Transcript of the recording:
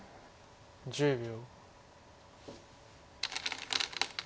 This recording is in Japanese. １０秒。